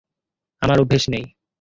আমার অভ্যাস নেই।